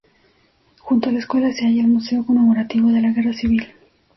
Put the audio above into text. Junto a la escuela se halla el museo conmemorativo de la guerra civil.